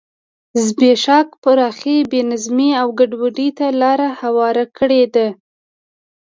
زبېښاک پراخې بې نظمۍ او ګډوډۍ ته لار هواره کړې ده.